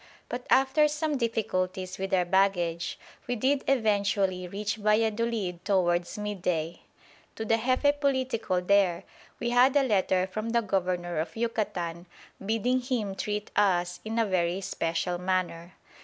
But after some difficulties with our baggage, we did eventually reach Valladolid towards midday. To the Jefe Politico there we had a letter from the Governor of Yucatan, bidding him treat us "in a very special manner."